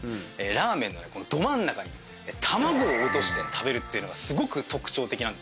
ラーメンのど真ん中に卵を落として食べるっていうのがすごく特徴的なんですよね。